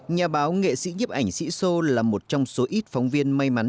nhà báo nghệ sĩ nhấp ảnh sĩ sô là một trong số ít phóng viên may mắn